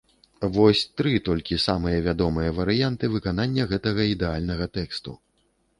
Вось тры толькі самыя вядомыя варыянты выканання гэтага ідэальнага тэксту.